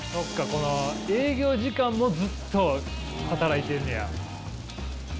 この営業時間もずっと働いてんねや。